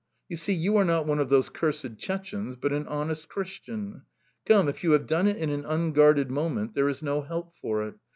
You see, you are not one of those cursed Chechenes, but an honest Christian! Come, if you have done it in an unguarded moment there is no help for it!